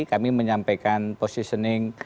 kami menyampaikan positioning